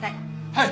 はい。